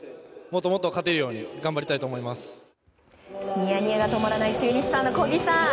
ニヤニヤが止まらない中日ファンの小木さん。